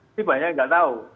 ini banyak yang nggak tahu